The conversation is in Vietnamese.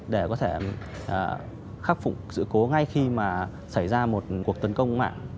để có thể khắc phục sự cố ngay khi mà xảy ra một cuộc tấn công mạng